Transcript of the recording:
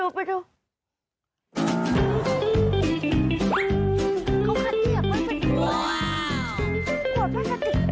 ขวดภาษาติกนั่นส่วนใหญ่ก็เป็นขวดภาษาติกที่นั่น